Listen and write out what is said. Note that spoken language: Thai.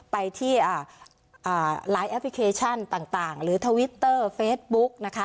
ไปที่ไลน์แอปพลิเคชันต่างหรือทวิตเตอร์เฟซบุ๊กนะคะ